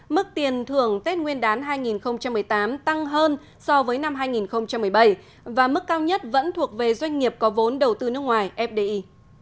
mức tiền thưởng tết nguyên đán hai nghìn một mươi tám tăng hơn so với năm hai nghìn một mươi bảy và mức cao nhất vẫn thuộc về doanh nghiệp có vốn đầu tư nước ngoài fdi